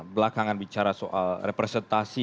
belakangan bicara soal representasi